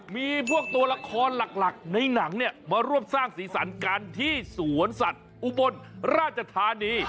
มีพวกตัวละครหลักในหนังเนี่ยมาร่วมสร้างสีสันกันที่สวนสัตว์อุบลราชธานี